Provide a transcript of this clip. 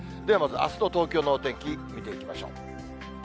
ではまず、あすの東京のお天気、見ていきましょう。